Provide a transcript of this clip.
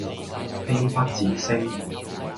悲不自勝